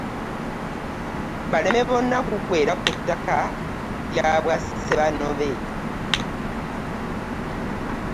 Baleme bonna kuggweera ku ttaka lya bwa Ssemanobe